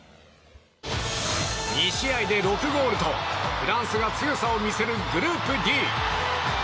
２試合で６ゴールとフランスが強さを見せるグループＤ。